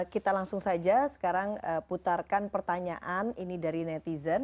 kita langsung saja sekarang putarkan pertanyaan ini dari netizen